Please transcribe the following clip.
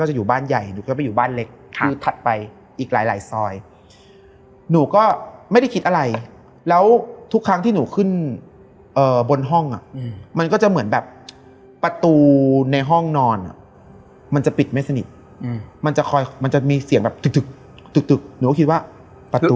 ใช้คำว่ากลุ่มเหรอ